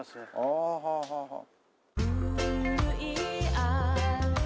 ああはあはあはあ。